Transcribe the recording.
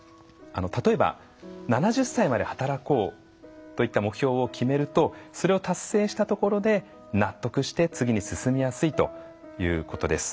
例えば７０歳まで働こうといった目標を決めるとそれを達成したところで納得して次に進みやすいということです。